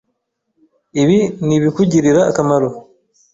Ibi nibikugirira akamaro?